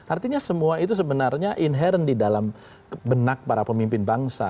artinya semua itu sebenarnya inherent di dalam benak para pemimpin bangsa